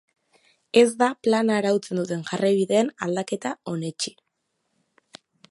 Ez da plana arautzen duten jarraibideen aldaketa onetsi.